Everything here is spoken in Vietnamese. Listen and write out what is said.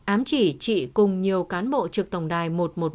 ám chỉ trị cùng nhiều cán bộ trực tổng đài một trăm một mươi một